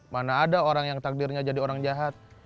mana ada orang yang takdirnya jadi orang jahat